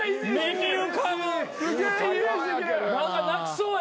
何か泣きそうや今の。